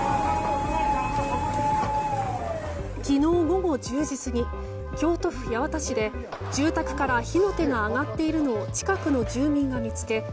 昨日午後１０時過ぎ京都府八幡市で住宅から火の手が上がっているのを近くの住民が見つけ